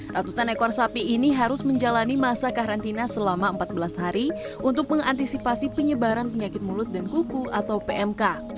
ratusan ekor sapi ini harus menjalani masa karantina selama empat belas hari untuk mengantisipasi penyebaran penyakit mulut dan kuku atau pmk